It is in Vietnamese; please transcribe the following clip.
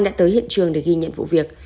đã tới hiện trường để ghi nhận vụ việc